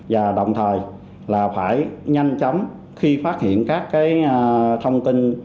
và đồng thời là phải nhanh chóng khi phát hiện các thông tin